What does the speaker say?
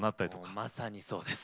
・まさにそうです。